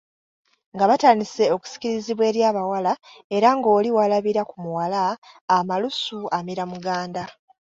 Nga batandise okusikirizibwa eri abawala era ng'oli walabira ku muwala amalusu amira muganda.